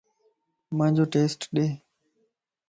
پانجو ٽيسٽ ڏي